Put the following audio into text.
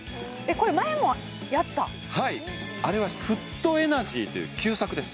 これ前もやったはいあれはフットエナジーという旧作です